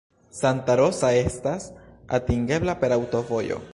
Santa Rosa estas atingebla per aŭtovojo.